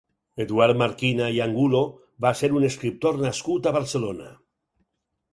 Eduard Marquina i Angulo va ser un escriptor nascut a Barcelona.